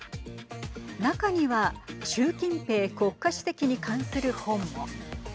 中には習近平国家主席に関する本も。